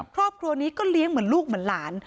ครอบครัวนี้ก็เลี้ยงเหมือนลูกเหมือนหลาน